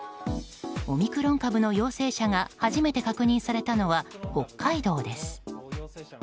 オミクロン株の陽性者が初めて確認されたのは北海道です。